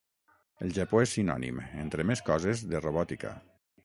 El Japó és sinònim, entre més coses, de robòtica.